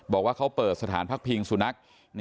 บอกว่าเขาเปิดสถานพักพิงสุนัข